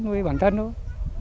với bản thân thôi